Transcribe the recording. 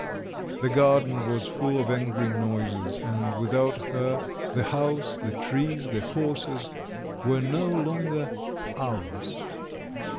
The garden was full of angry noises, and without her the house, the trees, the horses were no longer "ours."